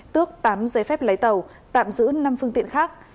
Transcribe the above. tước tám giấy phép lấy tàu tạm giữ năm phương tiện khác